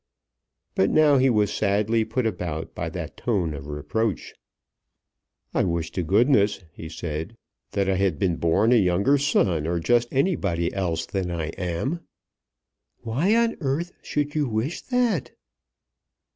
But now he was sadly put about by that tone of reproach. "I wish to goodness," he said, "that I had been born a younger brother, or just anybody else than I am." "Why on earth should you wish that?"